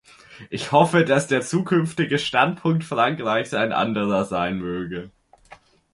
Ich hoffe, dass der zukünftige Standpunkt Frankreichs ein anderer sein möge.